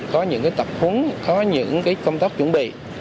có những tập huống có những công tác chuẩn bị